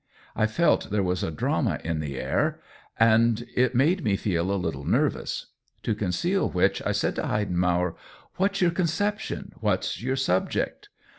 I felt there was a drama in the air, and it made me a little nervous ; to conceal which I said to Heidenmauer: "What's your con ception ? What's your subject